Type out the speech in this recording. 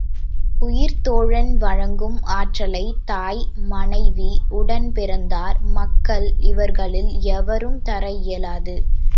உயிர்த்தோழன் வழங்கும் ஆற்றலைத் தாய், மனைவி, உடன் பிறந்தார், மக்கள் இவர்களில் எவரும் தர இயலாது.